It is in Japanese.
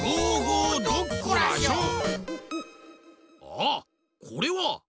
ああっこれは。